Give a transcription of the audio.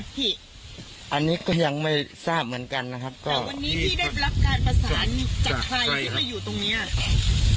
วันนี้พี่ได้รับการภาษาจากใครที่มาอยู่ตรงนี้